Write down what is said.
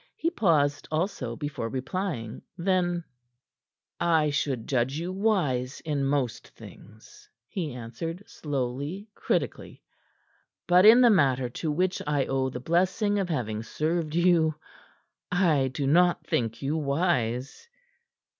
He paused, also, before replying. Then: "I should judge you wise in most things," he answered slowly, critically. "But in the matter to which I owe the blessing of having served you, I do not think you wise.